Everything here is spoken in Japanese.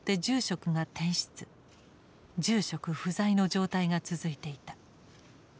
住職不在の状態が続いていた。